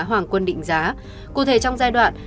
hoàng quân định giá cụ thể trong giai đoạn